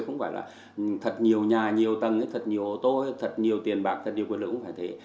không phải là thật nhiều nhà nhiều tầng thật nhiều tối thật nhiều tiền bạc thật nhiều quyền lực không phải thế